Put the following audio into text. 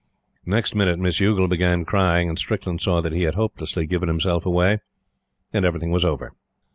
Next minute Miss Youghal began crying; and Strickland saw that he had hopelessly given himself away, and everything was over.